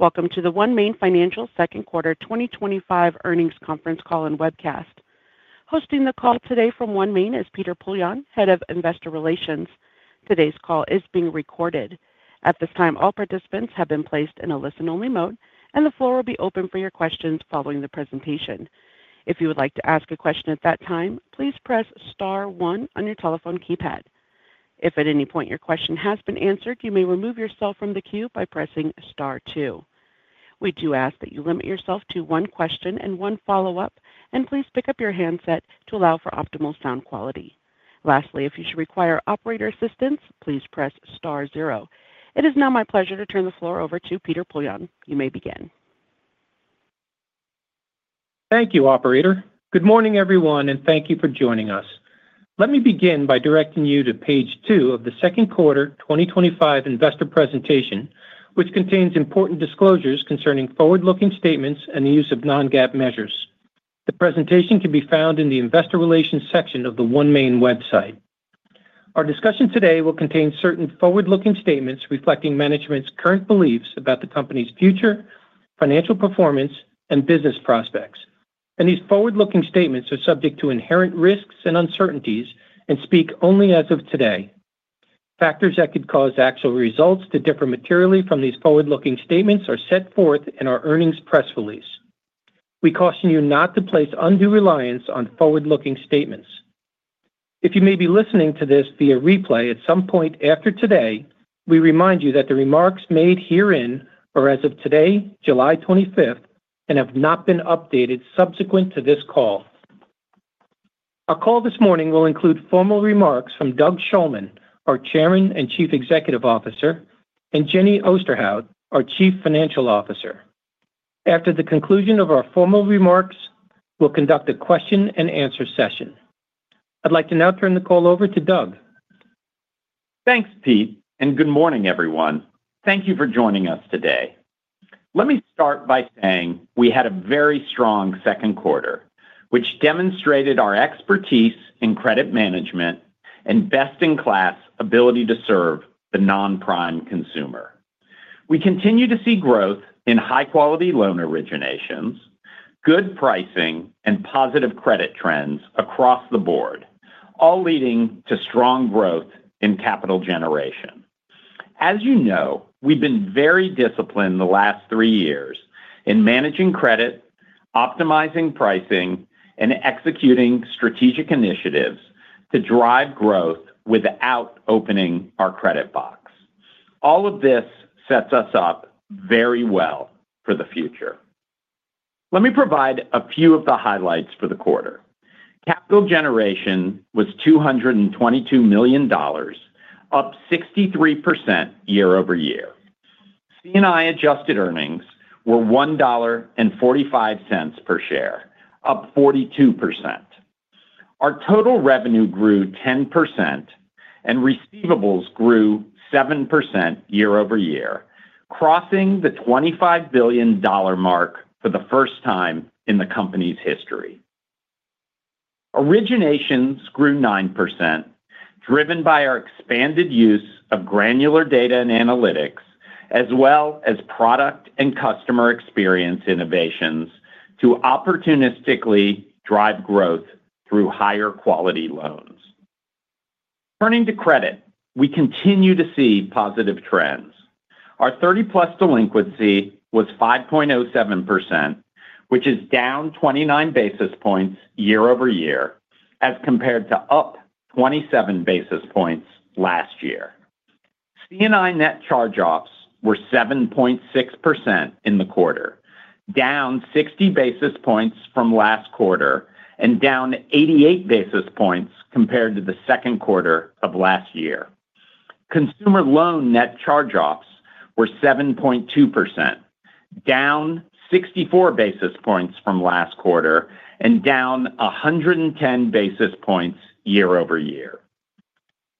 Welcome to the OneMain Holdings Inc. second quarter 2025 earnings conference call and webcast. Hosting the call today from OneMain Holdings Inc. is Peter Poillon, Head of Investor Relations. Today’s call is being recorded at this time. All participants have been placed in a listen-only mode and the floor will be open for your questions following the presentation. If you would like to ask a question at that time, please press star 1 on your telephone keypad. If at any point your question has been answered, you may remove yourself from the queue by pressing star 2. We do ask that you limit yourself to one question and one follow-up and please pick up your handset to allow for optimal sound quality. Lastly, if you should require operator assistance, please press zero. It is now my pleasure to turn the floor over to Peter Poillon. You may begin. Thank you, Operator. Good morning everyone, and thank you for joining us. Let me begin by directing you to page 2 of the second quarter 2025 investor presentation, which contains important disclosures concerning forward-looking statements and the use of non-GAAP measures. The presentation can be found in the Investor Relations section of the OneMain website. Our discussion today will contain certain forward-looking statements reflecting management’s current beliefs about the company’s future financial performance and business prospects, and these forward-looking statements are subject to inherent risks and uncertainties and speak only as of today. Factors that could cause actual results to differ materially from these forward-looking statements are set forth in our earnings press release. We caution you not to place undue reliance on forward-looking statements. If you may be listening to this via replay at some point after today, we remind you that the remarks made herein are as of today, July 25, and have not been updated subsequent to this call. Our call this morning will include formal remarks from Doug Shulman, our Chairman and Chief Executive Officer, and Jenny Osterhout, our Chief Financial Officer. After the conclusion of our formal remarks, we’ll conduct a question-and-answer session. I’d like to now turn the call over to Doug. Thanks, Pete, and good morning everyone. Thank you for joining us today. Let me start by saying we had a very strong second quarter, which demonstrated our expertise in credit management and best-in-class ability to serve the non-prime consumer. We continue to see growth in high-quality loan originations, good pricing, and positive credit trends across the board, all leading to strong growth in capital generation. Our total revenue grew 10%, and receivables grew 7% year over year, crossing the $25 billion mark for the first time in the company’s history. Originations grew 9%, driven by our expanded use of granular data and analytics, as well as product and customer-experience innovations to opportunistically drive growth through higher-quality loans.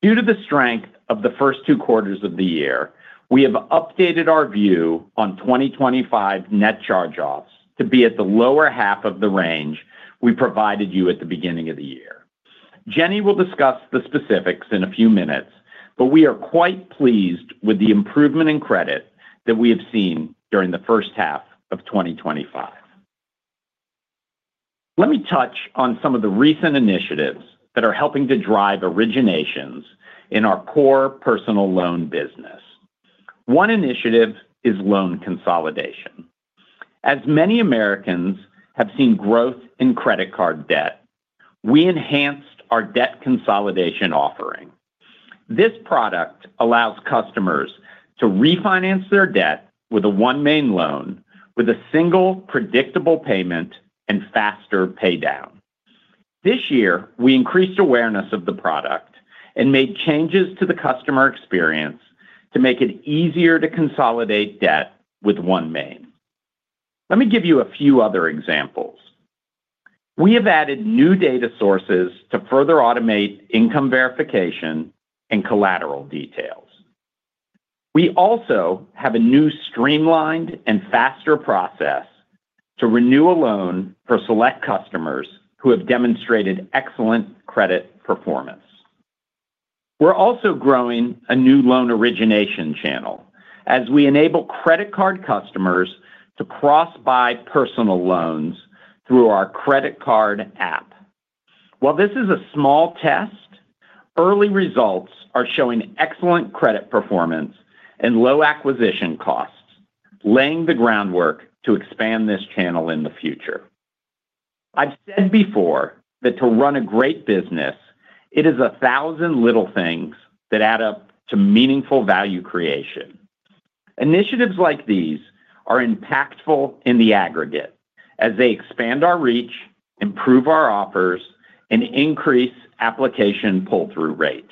Due to the strength of the first two quarters of the year, we have updated our view on 2025 net charge-offs to be at the lower half of the range we provided at the beginning of the year. Jenny will discuss the specifics in a few minutes, but we are quite pleased with the improvement in credit that we have seen during the first half of 2025. This year we increased awareness of the product and made changes to the customer experience to make it easier to consolidate debt with OneMain. Let me give you a few other examples. We have added new data sources to further automate income verification and collateral details. We also have a new streamlined and faster process to renew a loan for select customers who have demonstrated excellent credit performance. Creation initiatives like these are impactful in the aggregate as they expand our reach, improve our offers, and increase application pull-through rate.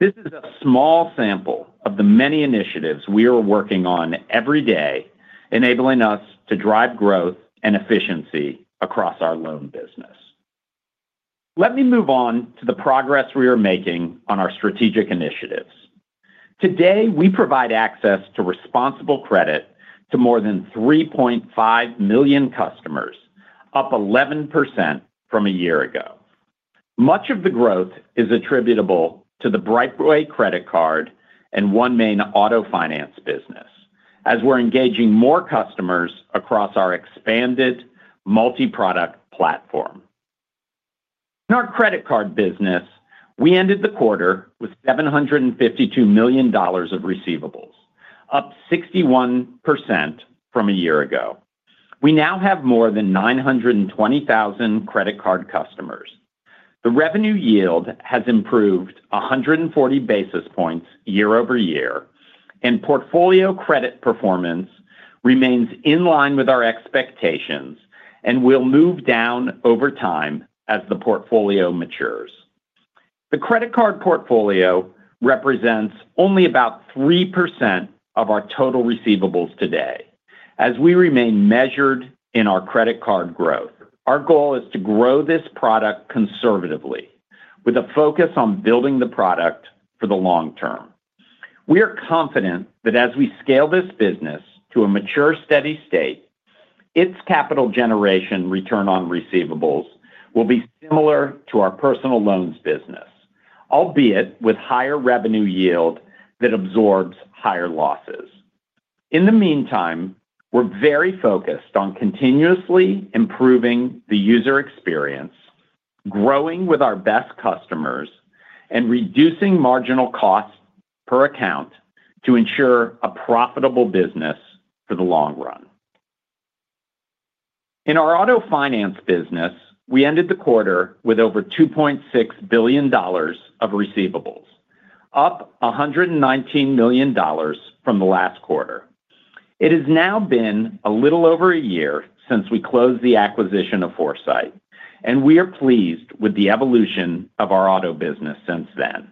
This is a small sample of the many initiatives we are working on every day, enabling us to drive growth and efficiency across our loan business. The revenue yield has improved 140 basis points year over year, and portfolio credit performance remains in line with our expectations and will move down over time as the portfolio matures. The credit-card portfolio represents only about 3% of our total receivables today as we remain measured in our credit-card growth. Our goal is to grow this product conservatively with a focus on building the product for the long term. In our auto finance business, we ended the quarter with over $2.6 billion of receivables, up $119 million from the last quarter. It has now been a little over a year since we closed the acquisition of Foursight, and we are pleased with the evolution of our auto business since then.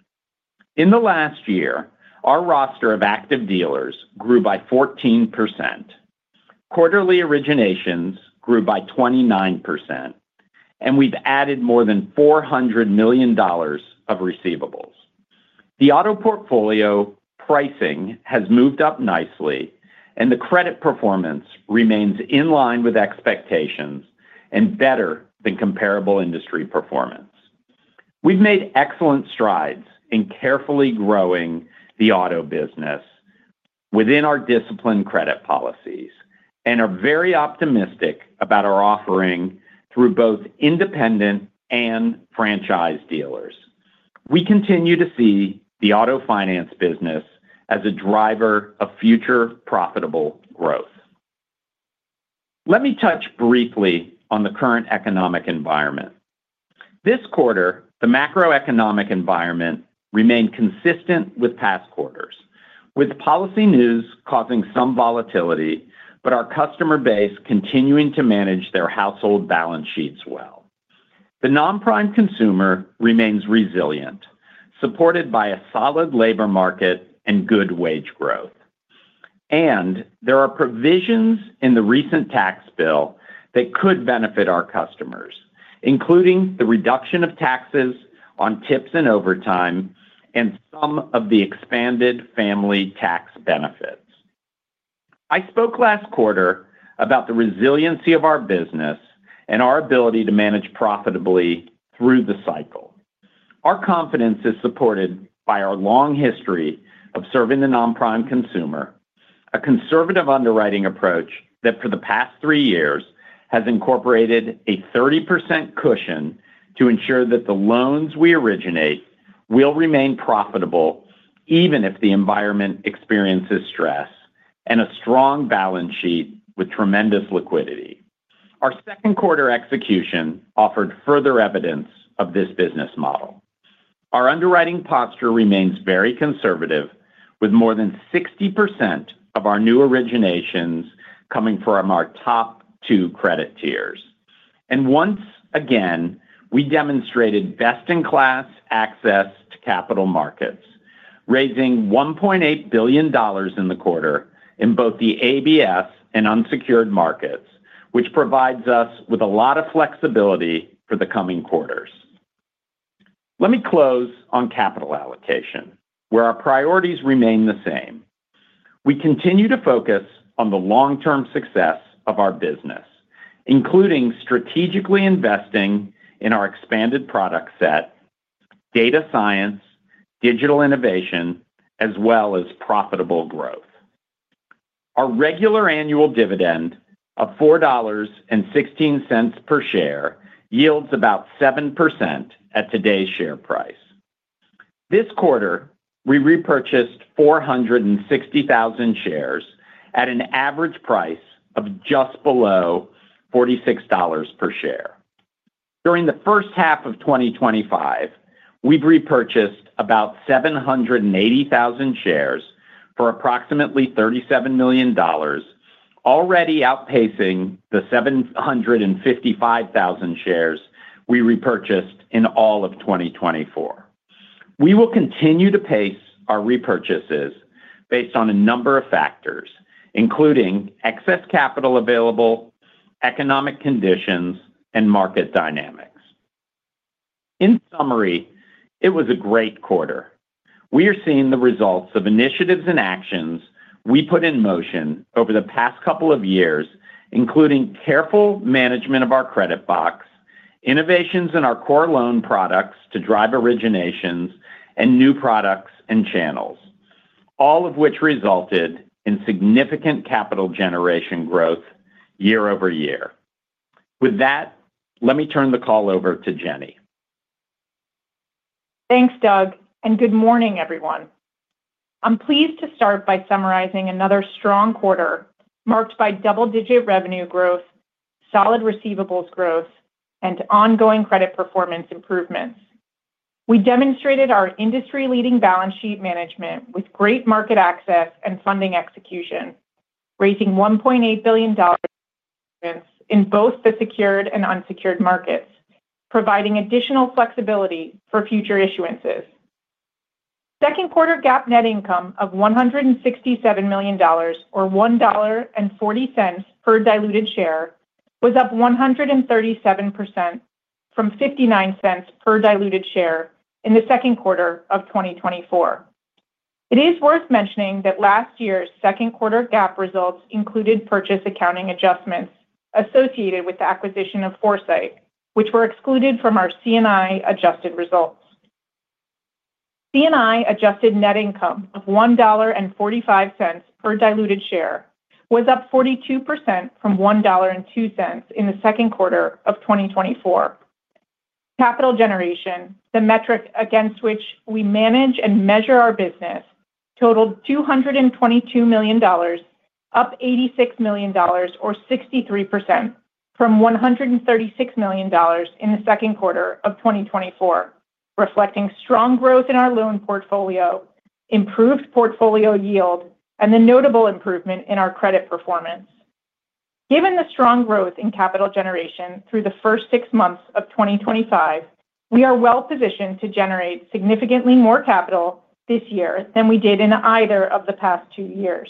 Let me touch briefly on the current economic environment this quarter. The macroeconomic environment remained consistent with past quarters, with policy news causing some volatility, but our customer base continuing to manage their household balance sheets well. The non-prime consumer remains resilient, supported by a solid labor market and good wage growth. Here’s a clean continuation and summary-style presentation of what you provided: We remain focused on the long-term success of the business, prioritizing strategic investment in our expanded product portfolio, data science, digital innovation, and profitable growth. Our regular annual dividend of $4.16 per share represents a yield of roughly 7% at the current share price. During the quarter, we repurchased 460,000 shares at an average price just under $46. In the first half of 2025, total repurchases reached approximately 780,000 shares for about $37 million, already exceeding the 755,000 shares repurchased in all of 2024. We will continue to manage repurchases based on excess capital, economic conditions, and broader market dynamics. Overall, it was a very strong quarter. We are seeing the results of initiatives and actions we put in motion over the past couple of years, including careful management of our credit box, innovations in our core loan products to drive originations, and new products and channels, all of which resulted in significant capital generation growth year over year. With that, let me turn the call over to Jenny. Thanks, Doug, and good morning everyone. We delivered another strong quarter, highlighted by double-digit revenue growth, healthy receivables expansion, and continued improvement in credit performance. We also demonstrated industry-leading balance sheet management, maintaining strong market access and execution as we raised $1.8 billion across both secured and unsecured markets, providing added flexibility for future issuances. Capital generation — our primary performance metric — was $222 million for the quarter, an increase of $86 million, or 63%, from $136 million in the prior-year period. The increase reflects continued growth in our loan portfolio, improved portfolio yield, and better credit performance. With strong results through the first six months of 2025, we expect capital generation for the full year to exceed levels from each of the past two years.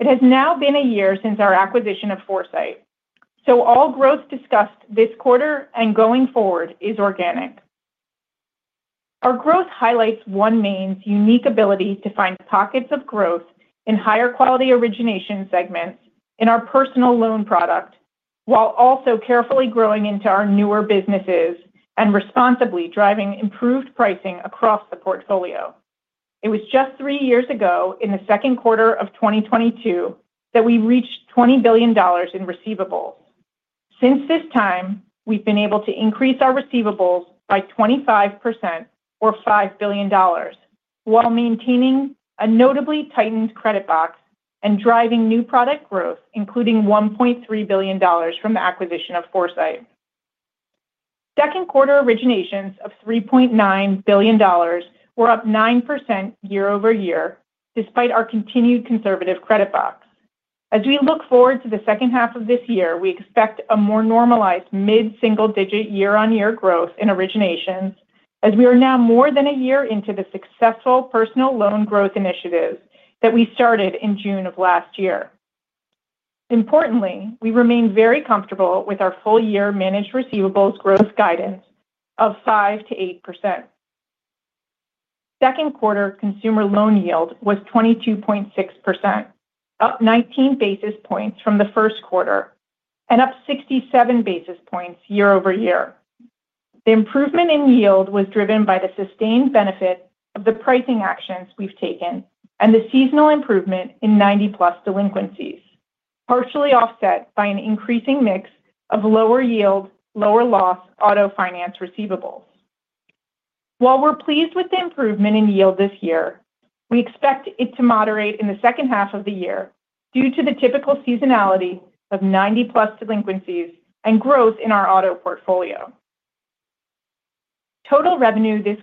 Our growth reflects OneMain’s ability to identify and pursue opportunities in higher-quality personal loan originations while selectively expanding newer businesses and responsibly improving pricing across the portfolio. In the second quarter of 2022, total receivables reached $20 billion. Since then, receivables have increased by 25%, or $5 billion, even as we maintained a meaningfully tighter credit box and expanded into new products, including approximately $1.3 billion from the Foursight acquisition. Looking ahead to the second half of the year, we expect originations to normalize to mid–single-digit year-over-year growth, as we are now more than a year into the successful personal loan growth initiative launched in June of last year. We remain comfortable with our full-year managed receivables growth outlook of 5% to 8%. While we are pleased with the improvement in yield this year, we expect it to moderate in the second half, reflecting normal seasonality in 90-plus-day delinquencies and continued growth in the auto portfolio. Interest expense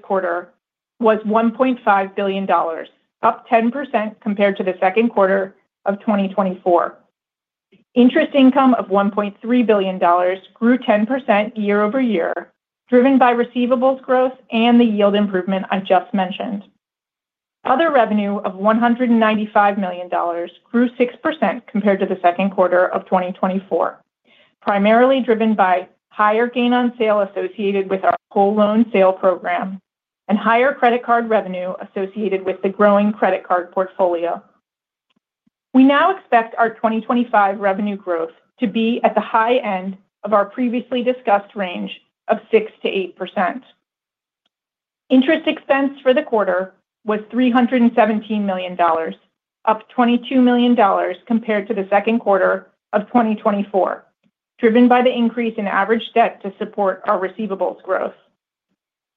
was $317 million for the quarter, an increase of $22 million from the second quarter of 2024, reflecting higher average debt balances to support receivables growth.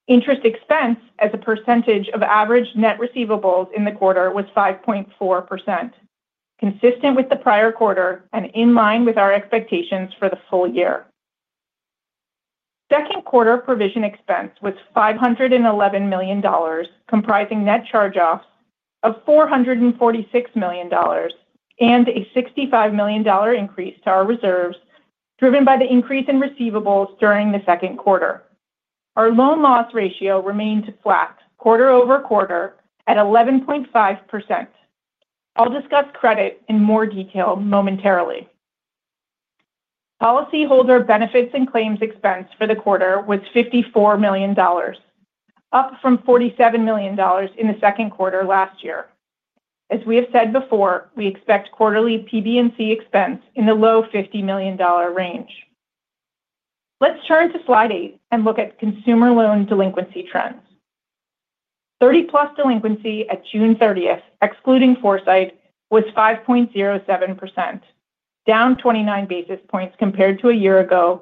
Interest expense represented 5.4% of average net receivables, consistent with the prior quarter and aligned with our full-year expectations. Turning to Slide 8, consumer loan delinquency trends continued to improve. At June 30, 30-plus-day delinquency, excluding Foursight, was 5.07%, a decrease of 29 basis points from the prior-year period,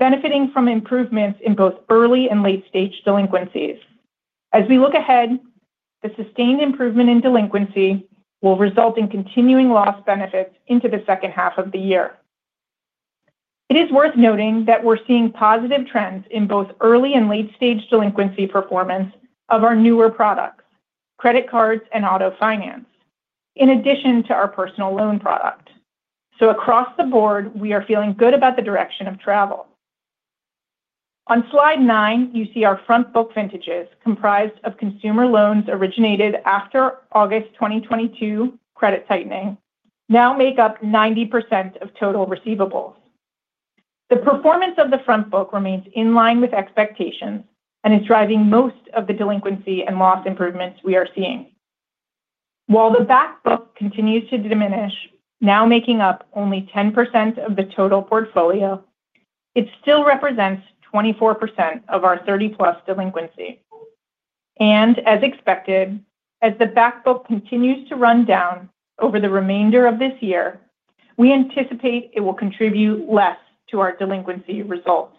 reflecting improvement in both early- and late-stage delinquency performance. We expect these trends to continue to provide loss benefits through the second half of the year. The performance of the front book remains in line with expectations and is driving most of the delinquency and loss improvements we are seeing. While the back book continues to diminish — now making up only 10% of the total portfolio — it still represents 24% of our 30-plus-day delinquency. As expected, as the back book continues to run down over the remainder of this year, we anticipate it will contribute less to our delinquency results.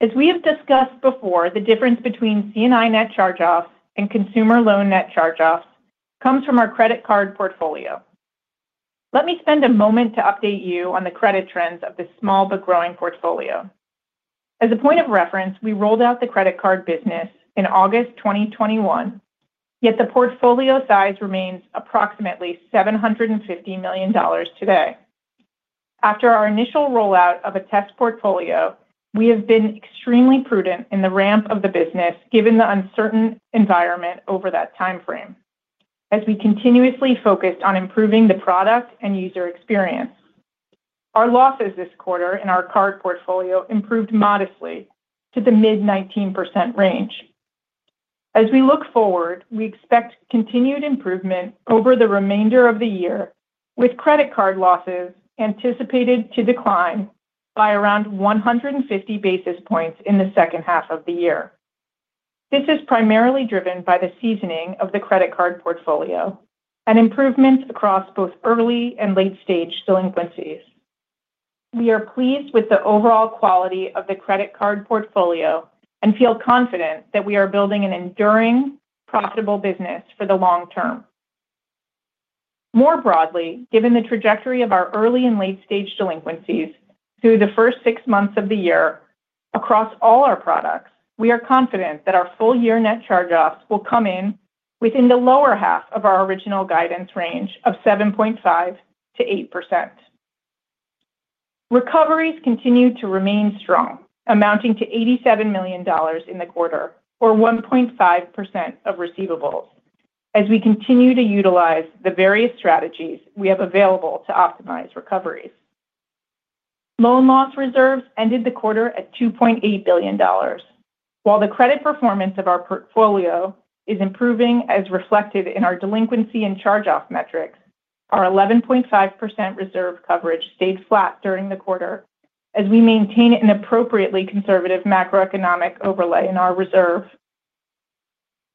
The difference between C&I net charge-offs and consumer loan net charge-offs reflects the composition of our credit card portfolio. As context, our credit card offering was launched in August 2021, and the portfolio remains modest in size at approximately $750 million. After an initial pilot phase, we have deliberately managed growth given the uncertain environment. As we continued to enhance the product and customer experience, credit card losses improved modestly this quarter to the mid-19% range. We expect further improvement over the second half of the year, with credit card losses anticipated to decline by roughly 150 basis points. This improvement is primarily driven by the seasoning of the credit card portfolio and by improvements across both early- and late-stage delinquencies. We are pleased with the overall quality of the credit card portfolio and feel confident that we are building an enduring, profitable business for the long term. While the credit performance of our portfolio continues to improve, as reflected in our delinquency and charge-off metrics, our 11.5% reserve coverage remained flat during the quarter as we maintained an appropriately conservative macroeconomic overlay in our reserve.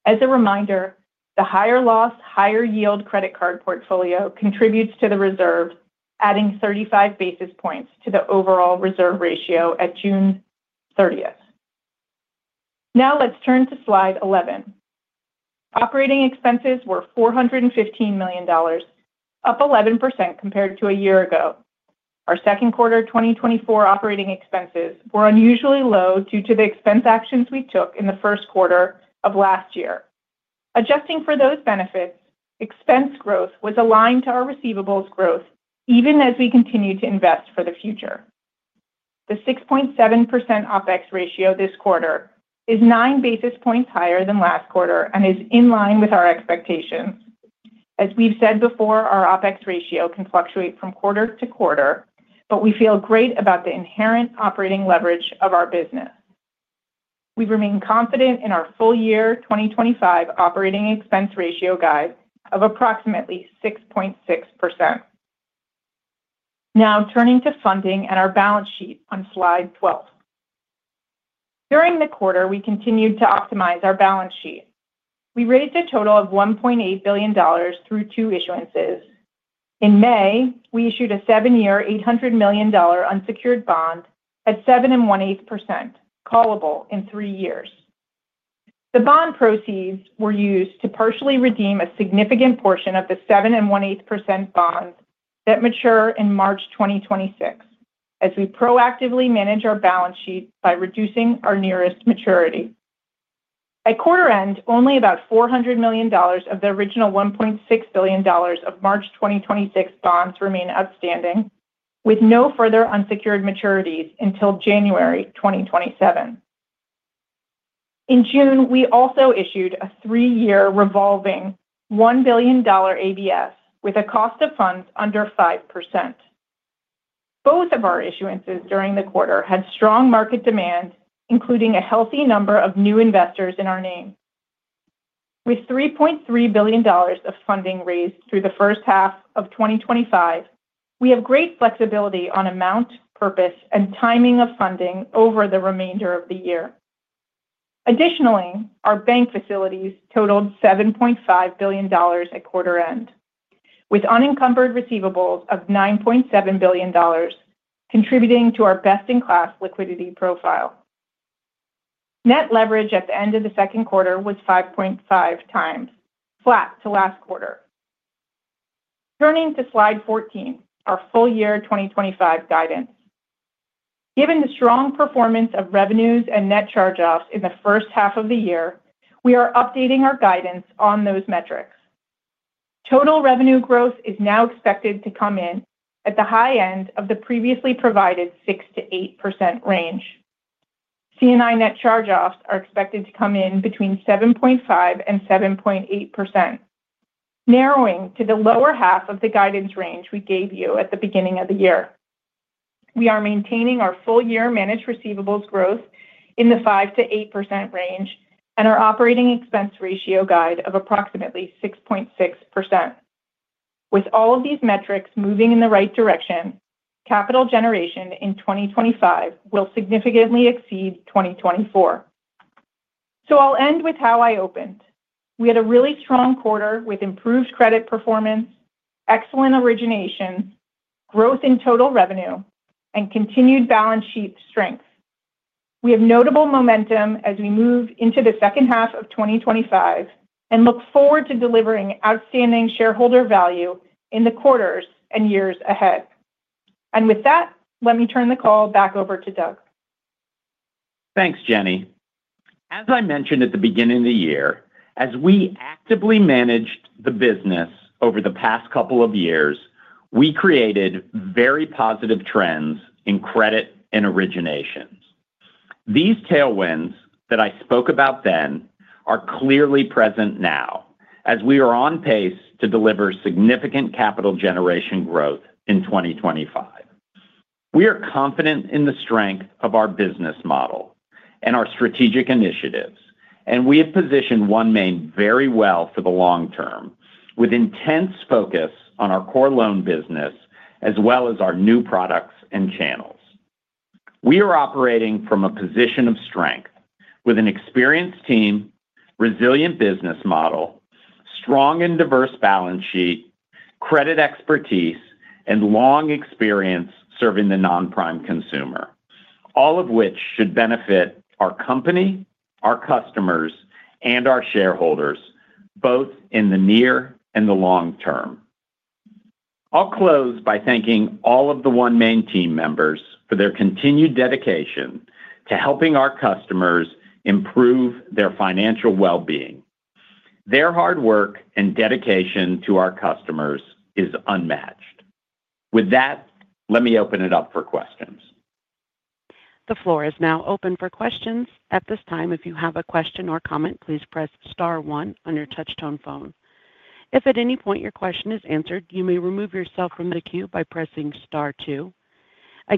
As a reminder, the higher-loss, higher-yield credit card portfolio contributes to the reserve, adding 35 basis points to the overall reserve ratio as of June 30. As we've said before, our operating expense ratio can fluctuate from quarter to quarter, but we feel great about the inherent operating leverage of our business. We remain confident in our full-year 2025 operating expense ratio guidance of approximately In June, we also issued a three-year, $1 billion revolving ABS with a cost of funds below 5%. Both of our issuances during the quarter saw strong market demand, including participation from a healthy number of new investors in our name. With $3.3 billion of funding raised through the first half of 2025, we have excellent flexibility regarding the amount, purpose, and timing of funding for the remainder of the year. Total revenue growth is now expected to come in at the high end of the previously provided 6% to 8% range. C&I net charge-offs are expected to come in between 7.5% and 7.8%, narrowing to the lower half of the guidance range we provided at the beginning of the year. Thanks, Jenny. As I mentioned at the beginning of the year, through active management of the business over the past couple of years, we’ve created very positive trends in both credit and originations. The tailwinds I spoke about then are clearly evident now, as we are on pace to deliver significant capital generation growth in 2025. I'll close by thanking all of the OneMain team members for their continued dedication to helping our customers improve their financial well-being. Their hard work and dedication to our customers is unmatched. With that, let me open it up for questions. The floor is now open for questions. If you have a question or comment, please press star one on your touchtone phone. If at any point your question is answered, you may remove yourself from the queue by pressing star two.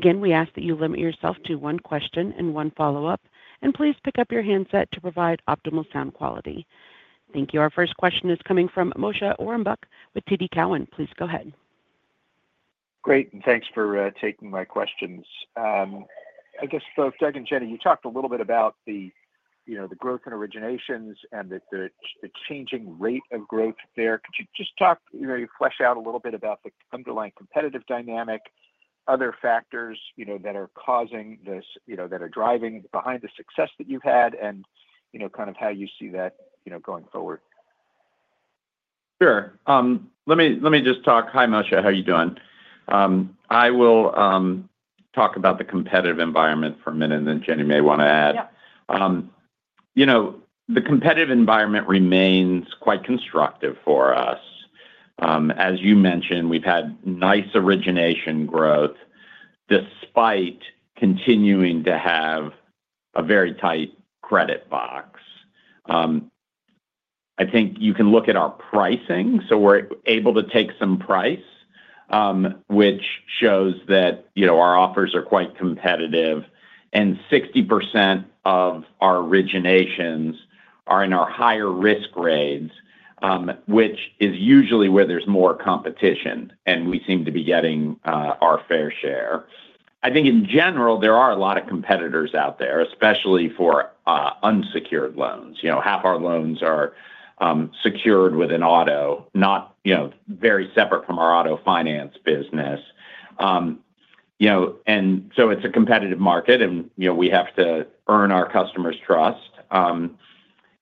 Great, thanks for taking my questions. I guess for both Doug and Jenny — you talked a bit about the growth in originations and the changing rate of growth there. Could you expand on the underlying competitive dynamics and other factors driving your recent success? And how do you see those trends evolving going forward? Sure, thanks, Moshe — good to hear from you. Let me start with a few comments on the competitive environment, and then Jenny may want to add.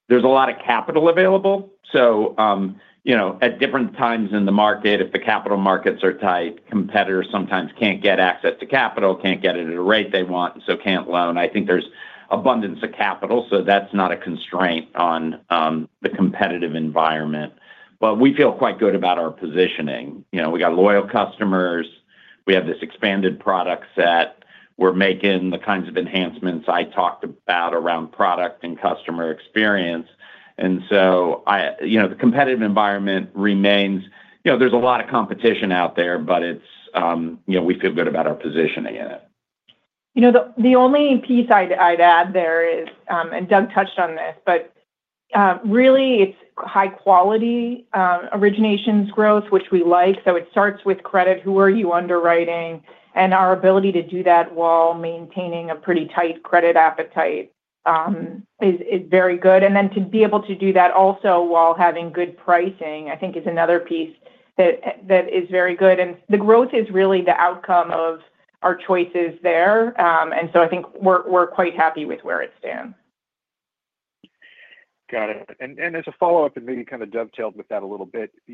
There’s a lot of capital available in the market. At different points in the cycle, when capital markets tighten, some competitors struggle to access funding or can’t obtain it at attractive rates — which limits their ability to lend. Right now, there’s an abundance of capital, so that’s not a constraint on the competitive environment. The only thing I’d add — and Doug touched on this — is that what we’re seeing is really high-quality origination growth, which is exactly what we want. It all starts with credit: who you’re underwriting and how effectively you’re doing it. Our ability to maintain a disciplined credit appetite while still driving growth is a real strength. Got it. As a follow-up — and maybe dovetailing with that a bit —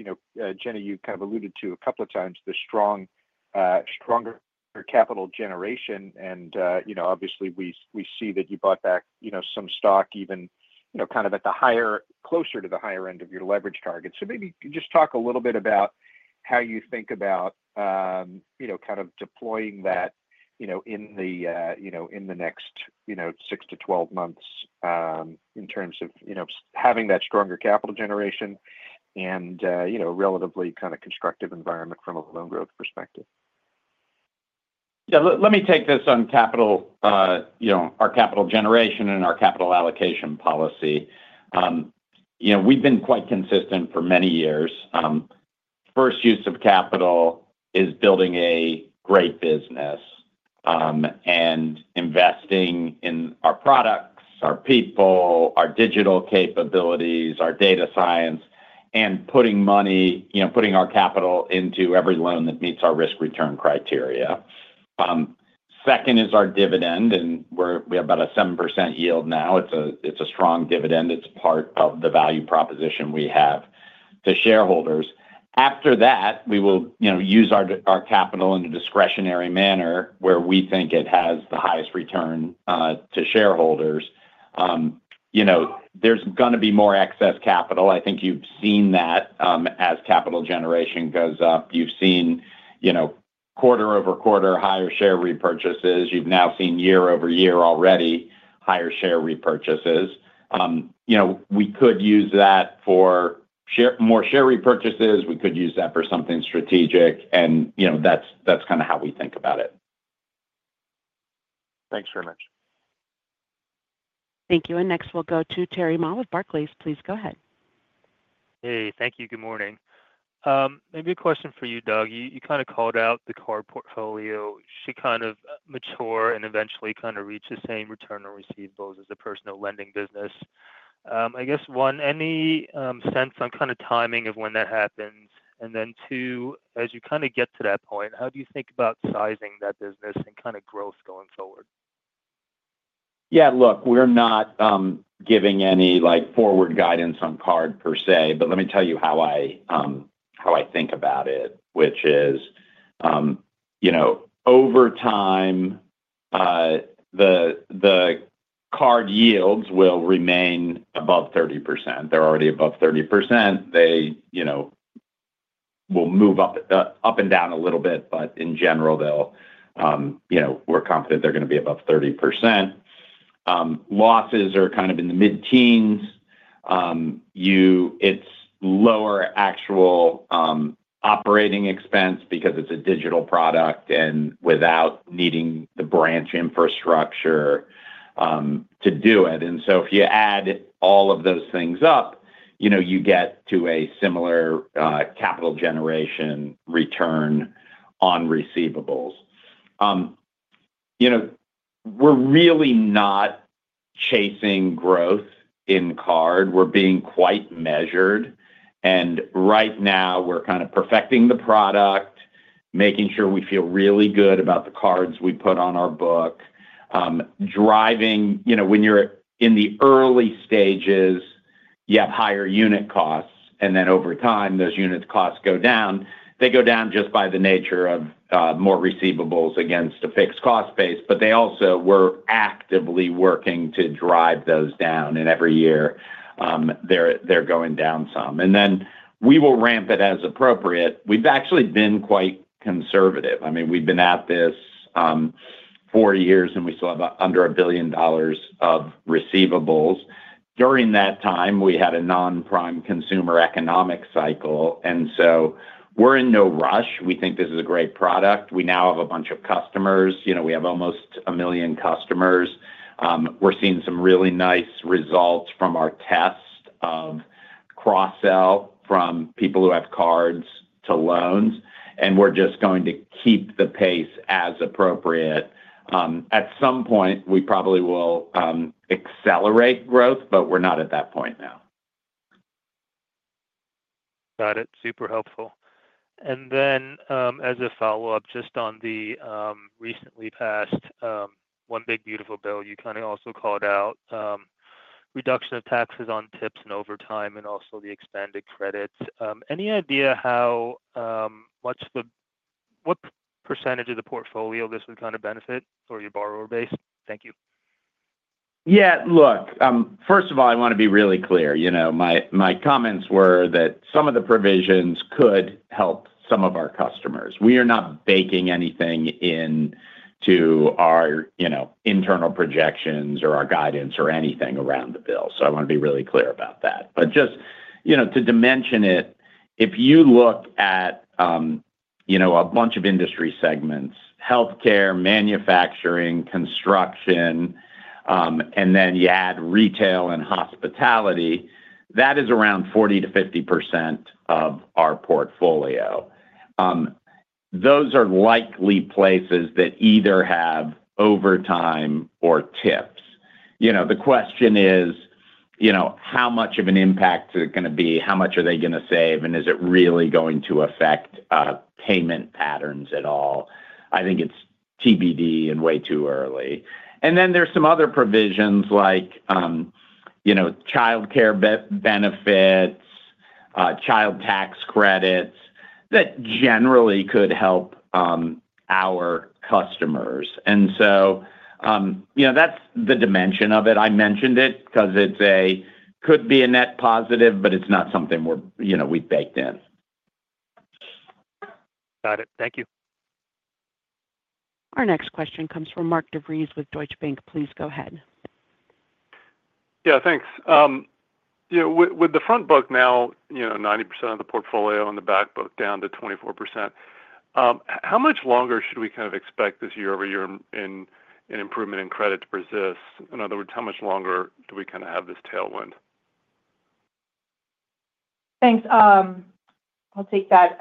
Jenny, you’ve mentioned several times the stronger capital generation. We also noticed that you repurchased some stock, even while operating near the higher end of your leverage target. Let me take that one — regarding our capital generation and capital allocation policy. We’ve been very consistent on this for many years. We could use that for more share repurchases. We could use that for something strategic. That's kind of how we think about it. Thanks very much. Thank you. Next, we'll go to Terry Ma with Barclays. Please go ahead. Hey, thank you. Good morning. Maybe a question for you, Doug — you mentioned that the credit card portfolio should mature and eventually reach similar returns and receivables levels as the personal lending business. Yeah, look, we’re not providing specific forward guidance on the credit card portfolio per se, but let me share how I think about it. Over time, card yields will remain above 30% — they’re already above that level today. They’ll move up and down a bit, but overall, we’re confident that yields will stay above 30%. Losses are running in the mid-teens, and operating expenses are lower because it’s a digital product — we don’t need the same branch infrastructure to support it. Every year, those costs come down a bit more, and we’ll continue to ramp the business as appropriate. We’ve actually been quite conservative — we’ve been at this for about four years, and we still have under $1 billion in receivables. During that time, we’ve navigated a full non-prime consumer economic cycle, and we’re in no rush. Got it, that’s super helpful. As a follow-up — on the recently passed One Big Beautiful Bill — you mentioned the reduction of taxes on tips and overtime, as well as the expanded credits. Do you have a sense of how much of your borrower base this would benefit, or what percentage of your portfolio could be impacted? Yeah, first of all, I want to be very clear — my comments were simply that some of the provisions in the bill could help some of our customers. We’re not baking any of that into our internal projections, guidance, or outlook. That's the dimension of it. I mentioned it because it could be a net positive, but it's not something we baked in. Got it. Thank you. Our next question comes from Mark Devries with Deutsche Bank. Please go ahead. Yeah, thanks. With the front book now making up about 90% of the portfolio and the back book down to 24%, how much longer should we expect the year-over-year improvement in credit to persist? Thanks, I’ll take that. It’s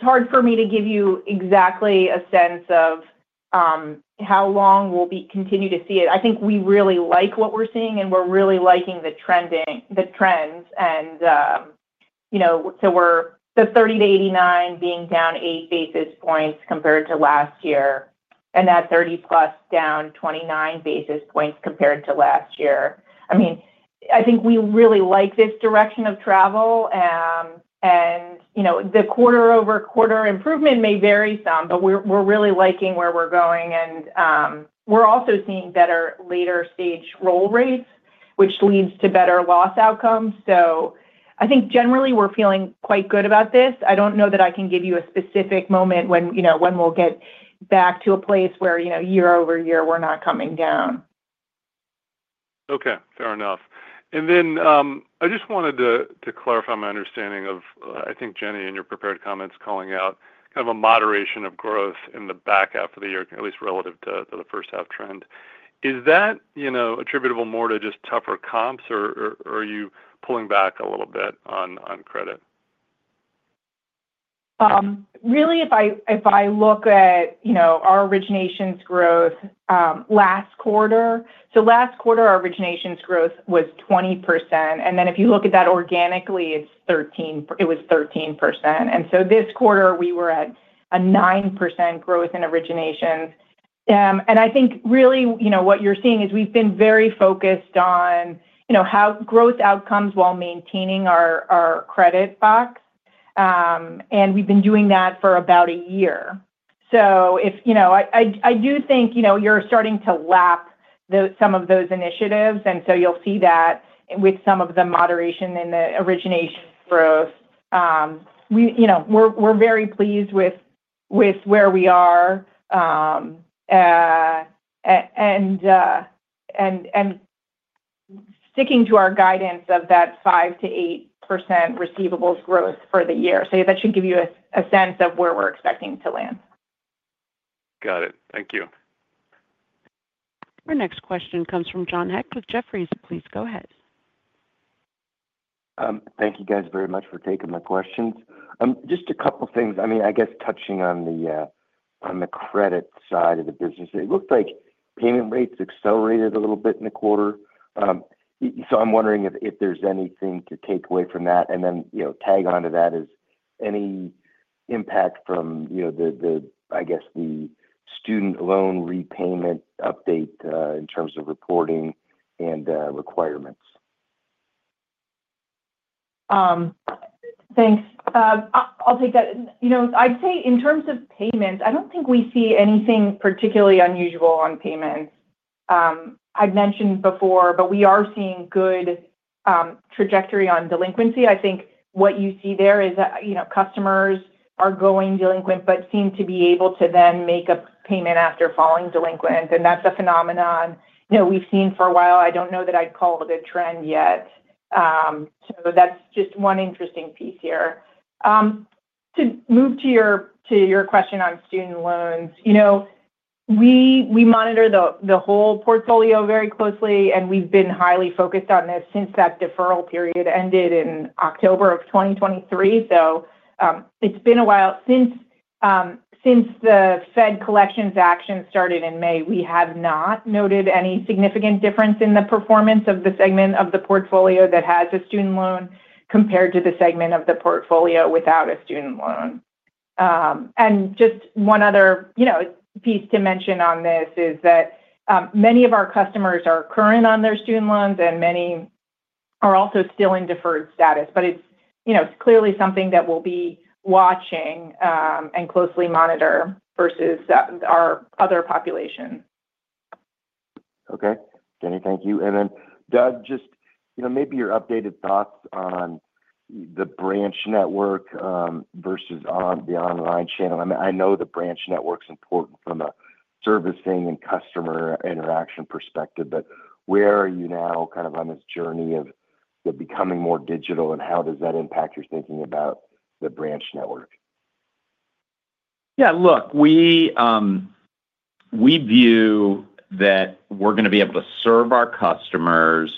hard to pinpoint exactly how long we’ll continue to see this level of improvement, but overall, we really like what we’re seeing and the trends we’re tracking. Our 30–89 day delinquencies are down eight basis points compared to last year, and our 30+ day delinquencies are down 29 basis points year over year. Okay, fair enough. I just wanted to clarify my understanding — Jenny, in your prepared remarks, you mentioned some moderation of growth in the back half of the year, at least relative to the first-half trend. Is that more due to tougher comps, or are you pulling back somewhat on credit? If you look at our origination growth last quarter, it was 20%, and organically, that was 13%. This quarter, originations grew 9%. What you’re seeing is that we’ve been very focused on achieving strong growth outcomes while maintaining a disciplined credit box, and we’ve been doing that for about a year. Got it. Thank you. Our next question comes from John Hecht with Jefferies. Please go ahead. Thank you very much for taking my questions. Just a couple of things on the credit side of the business — it looks like payment rates accelerated a bit during the quarter. Is there anything to read into that? And as a follow-up, are you seeing any impact from the recent student loan repayment updates in terms of reporting or customer requirements? Thanks, I’ll take that. In terms of payments, we’re not seeing anything particularly unusual. As I’ve mentioned before, delinquency trends are moving in a good direction. What we’re seeing is that some customers go delinquent but are then able to make a payment shortly after — a pattern we’ve observed for a while now. I wouldn’t call it a clear trend yet, but it’s something interesting we’re watching. It’s been a while since the federal collections actions resumed in May, and so far, we haven’t seen any significant difference in performance between the portion of our portfolio that includes customers with student loans and the portion without them. Okay, Jenny, thank you. Yeah, look, we view ourselves as serving customers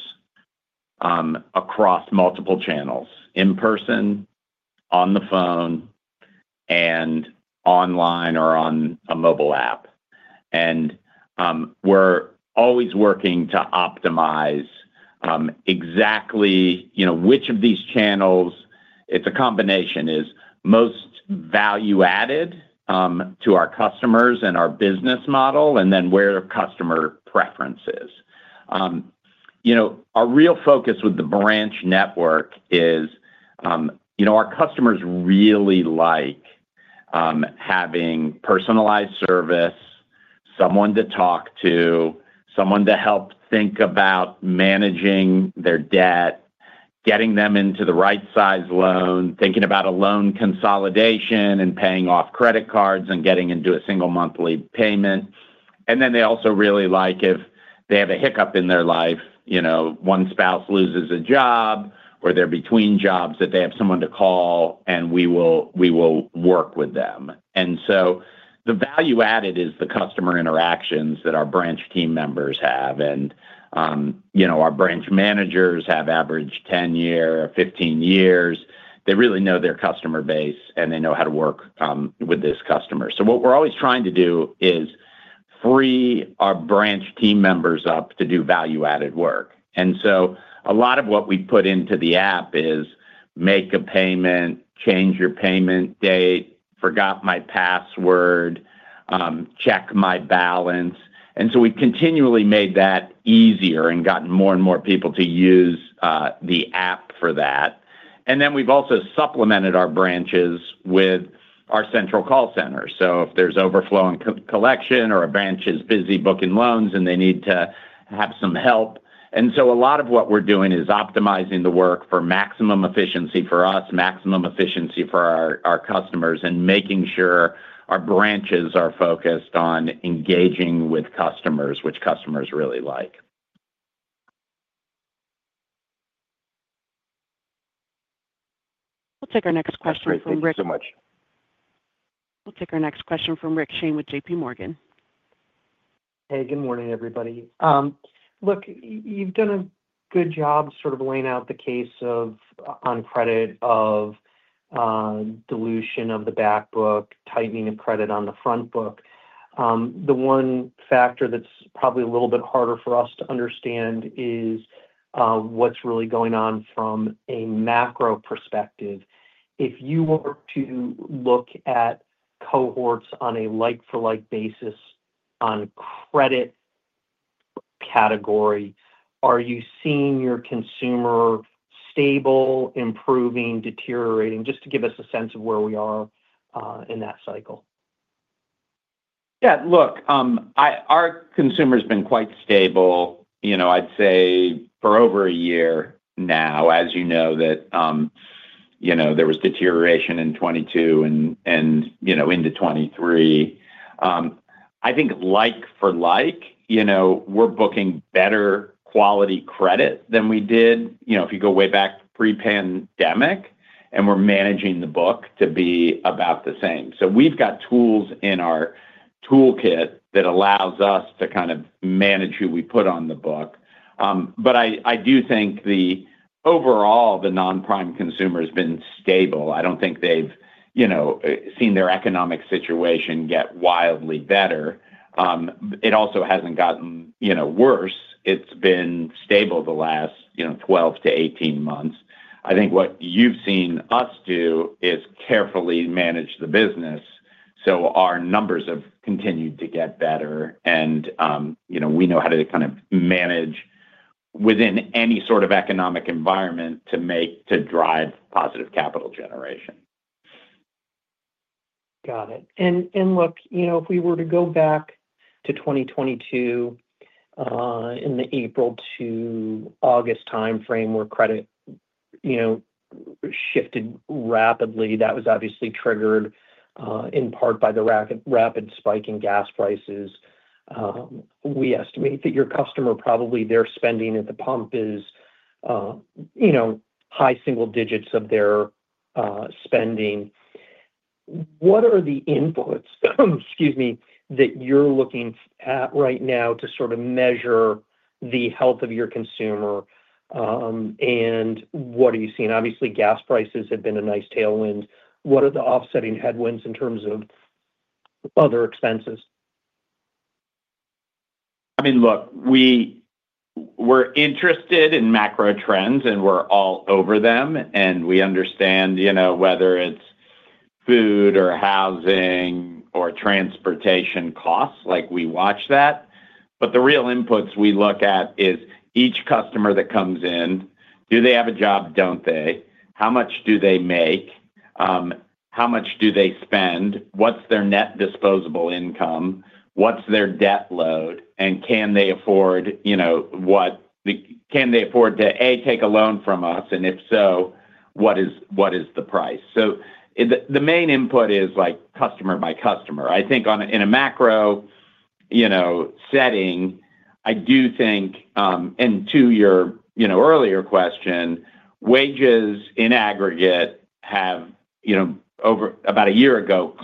across multiple channels — in person, over the phone, online, and through our mobile app. We’re continually optimizing how these channels work together to deliver the most value to our customers and to our business model, while aligning with customer preferences. The real value-add comes from the customer interactions our branch team members provide. Many of our branch managers have tenures of 10 to 15 years — they truly know their customers and understand how to work with them effectively. A lot of what we're doing is optimizing the work for maximum efficiency for us, maximum efficiency for our customers, and making sure our branches are focused on engaging with customers, which customers really like. We'll take our next question from Rick. Thank you so much. We'll take our next question from Rick Shane with JPMorgan. Hey, good morning, everyone. You’ve done a great job outlining the dynamics on credit — the dilution of the back book and the tighter underwriting on the front book. The one factor that’s harder for us to gauge is the macro environment. Yeah, look, our consumer has been quite stable — and has been for over a year now. As you know, there was some deterioration in 2022 and into 2023. But like-for-like, we’re booking higher-quality credit now than we did pre-pandemic, and we’re managing the book to maintain that quality. Got it. If we look back to 2022 — around the April to August timeframe — credit shifted rapidly, in part due to the spike in gas prices. We estimate that fuel spending accounts for a high single-digit percentage of your customers’ budgets. Look, we closely monitor all the major macro trends — whether it’s food, housing, or transportation costs — we track those carefully. But the real inputs we focus on are at the individual customer level. We underwrite to net disposable income. Of course, our models include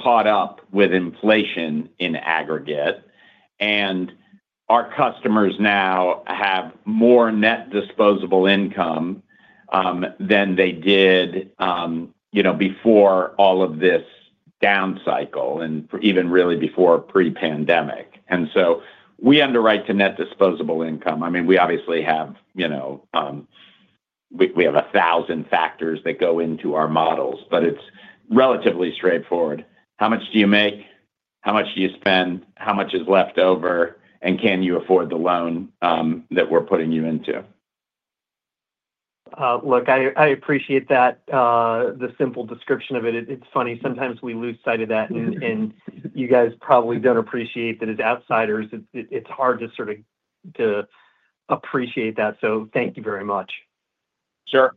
thousands of factors, but at its core, the process is relatively straightforward: How much does the customer earn? How much do they spend? How much is left over? And can they afford the loan we’re offering them? I appreciate that — the straightforward explanation. It’s funny, sometimes we lose sight of how simple that foundation really is. As outsiders, it’s not always easy to fully grasp it, so thank you for the clarity. Sure.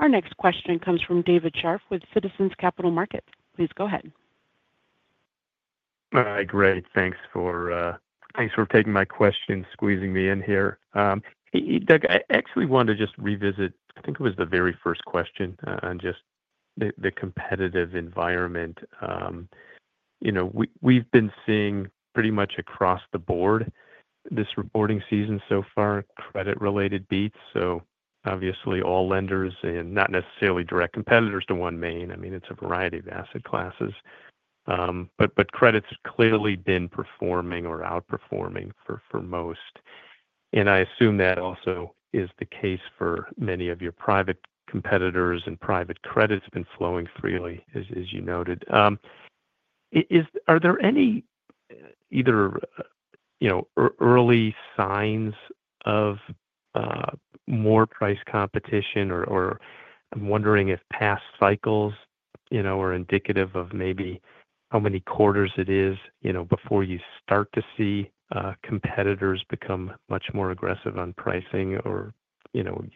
Our next question comes from David Scharf with Citizens Capital Markets. Please go ahead. Great, thanks for taking my question and for squeezing me in here, Doug. I wanted to revisit what I think was the very first question about the competitive environment.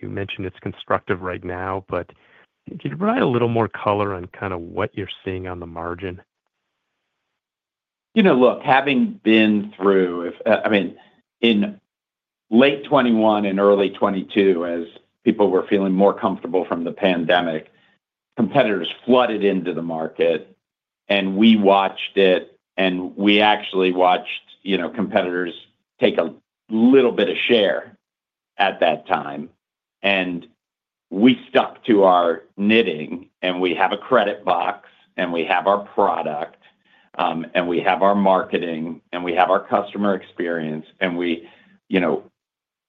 You mentioned it's constructive right now, but can you provide a little more color on kind of what you're seeing on the margin? You know, having been through this before — back in late 2021 and early 2022, as people started feeling more comfortable coming out of the pandemic — we saw competitors flood into the market. We watched it happen, and at that time, some competitors did take a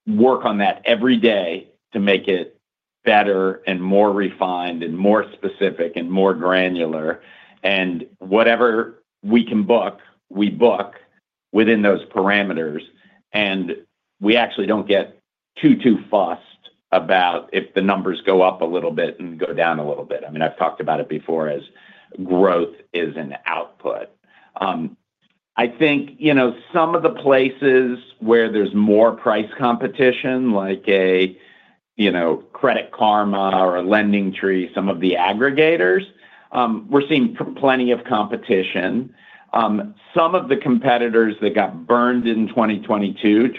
bit of share. I think the areas where we’re seeing more price competition are on platforms like Credit Karma or LendingTree — the aggregators. There’s definitely plenty of activity there. Some of the competitors who struggled in 2022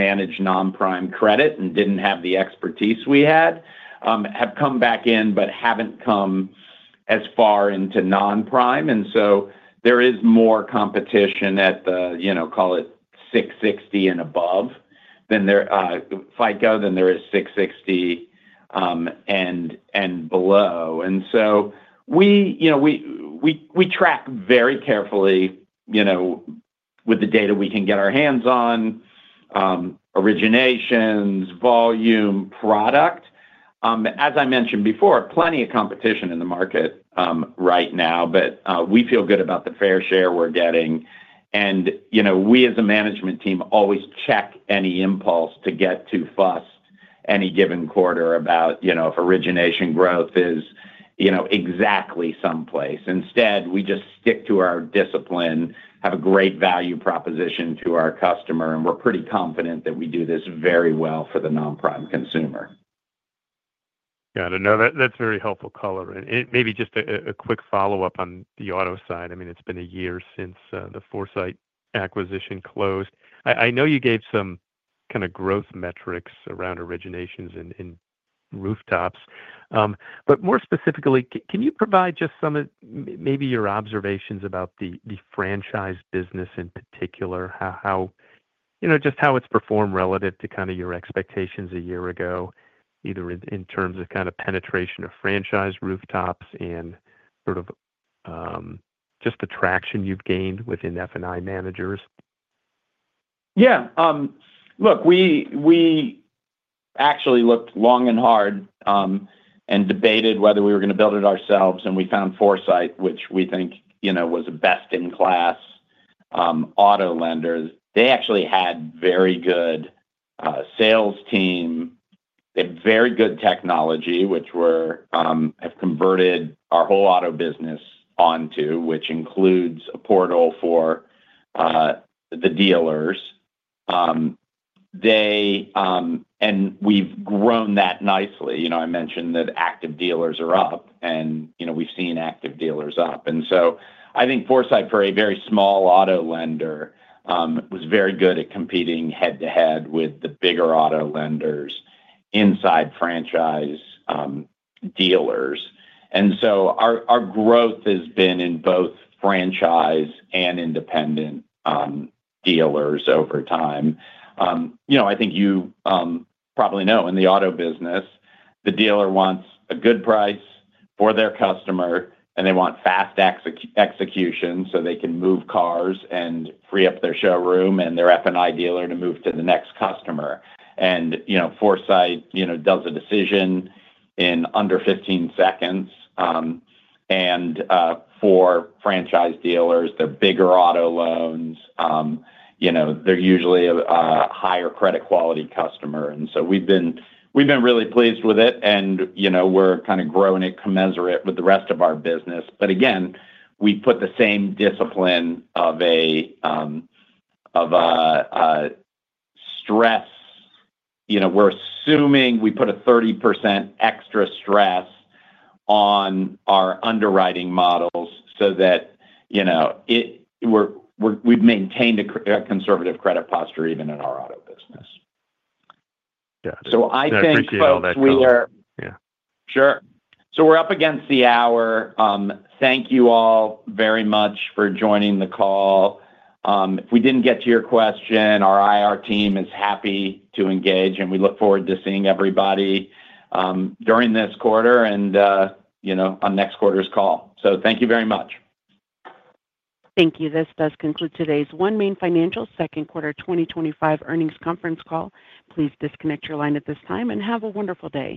managing non-prime credit — largely because they lacked the expertise we have — have reentered the market, but they haven’t gone as deep into non-prime lending this time. Instead, we just stick to our discipline, have a great value proposition to our customer, and we're pretty confident that we do this very well for the non prime consumer. Got it, that’s very helpful color. Just a quick follow-up on the auto side — it’s been about a year since the Foursight acquisition closed. I know you’ve shared some growth metrics around originations and dealership rooftops, but could you speak more specifically about the franchise business? Yeah, look, we spent a lot of time debating whether to build the platform ourselves, but ultimately we found Foursight — which we believe was a best-in-class auto lender. They had a strong sales team and excellent technology, which we’ve now fully integrated across our auto business, including a dedicated dealer portal. As you probably know, in the auto business, dealers want two things — a good price for their customer and fast execution so they can move cars quickly, free up their showroom, and allow their F&I managers to move on to the next customer. If we didn't get to your question, our IR team is happy to engage, and we look forward to seeing everybody during this quarter and on next quarter's call. Thank you very much. Thank you. This does conclude today's OneMain Holdings Inc. second quarter 2025 earnings conference call. Please disconnect your line at this time and have a wonderful day.